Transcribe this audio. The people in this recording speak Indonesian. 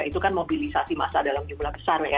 itu kan mobilisasi massa dalam jumlah besar ya